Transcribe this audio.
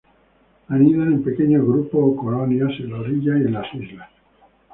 Anidan en pequeños grupos o colonias en la orilla y en islas.